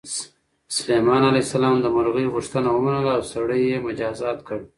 سلیمان علیه السلام د مرغۍ غوښتنه ومنله او سړی یې مجازات کړ.